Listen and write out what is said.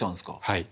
はい。